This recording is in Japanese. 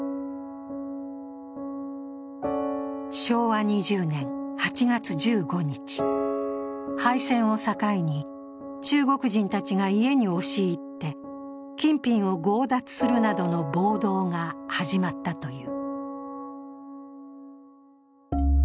昭和２０年８月１５日、敗戦を境に中国人たちが家に押し入って金品を強奪するなどの暴動が始まったという。